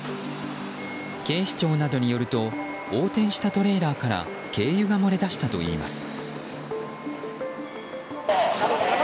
警視庁などによると横転したトレーラーから軽油が漏れ出したといいます。